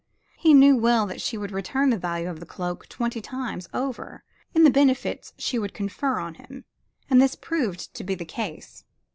He well knew that she would return the value of the cloak twenty times over in the benefits she would confer on him, and this proved to be the case.